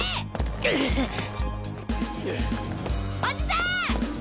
おじさん！